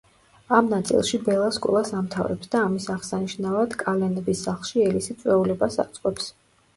ამ ნაწილში ბელა სკოლას ამთავრებს და ამის აღსანიშნავად კალენების სახლში ელისი წვეულებას აწყობს.